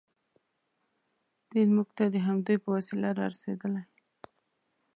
دین موږ ته د همدوی په وسیله رارسېدلی.